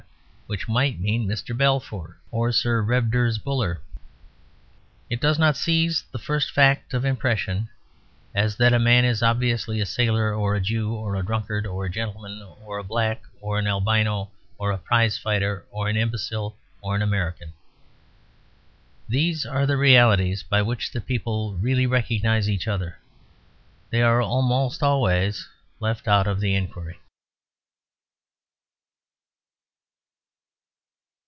which might mean Mr. Balfour or Sir Redvers Buller. It does not seize the first fact of impression, as that a man is obviously a sailor or a Jew or a drunkard or a gentleman or a nigger or an albino or a prize fighter or an imbecile or an American. These are the realities by which the people really recognise each other. They are almost always left out of the inquiry.